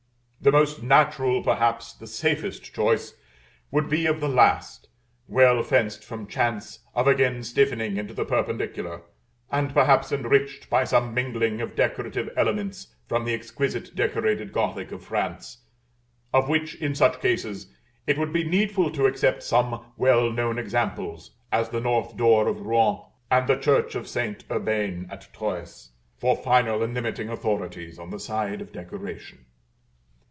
The most natural, perhaps the safest choice, would be of the last, well fenced from chance of again stiffening into the perpendicular; and perhaps enriched by some mingling of decorative elements from the exquisite decorated Gothic of France, of which, in such cases, it would be needful to accept some well known examples, as the North door of Rouen and the church of St. Urbain at Troyes, for final and limiting authorities on the side of decoration.